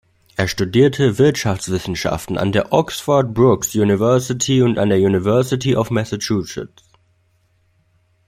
Er studierte Wirtschaftswissenschaften an der Oxford Brookes University und an der University of Massachusetts.